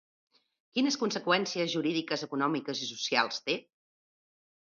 Quines conseqüències jurídiques, econòmiques i socials té?